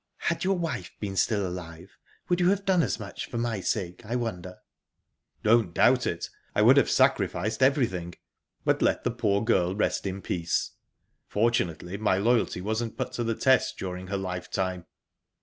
"Had your wife been still alive, would you have done as much for my sake, I wonder?" "Don't doubt it. I would have sacrificed everything. But let the poor girl rest in peace. Fortunately, my loyalty wasn't put to the test during her lifetime."